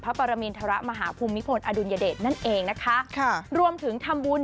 ปรมินทรมาฮภูมิพลอดุลยเดชนั่นเองนะคะค่ะรวมถึงทำบุญ